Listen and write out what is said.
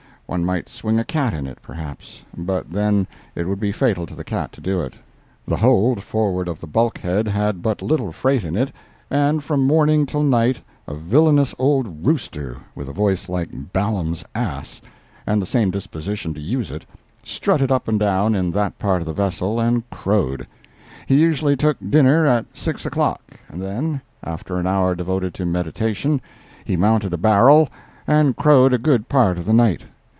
One might swing a cat in it, perhaps, but then it would be fatal to the cat to do it. The hold forward of the bulkhead had but little freight in it, and from morning till night a villainous old rooster, with a voice like Baalam's ass, and the same disposition to use it, strutted up and down in that part of the vessel and crowed. He usually took dinner at 6 o'clock, and then, after an hour devoted to meditation, he mounted a barrel and crowed a good part of the night.